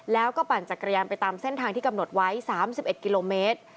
แล้วก็ปั่นจักรยานไปตามเส้นทางที่กำหนดไว้๓๑กิโลเมตร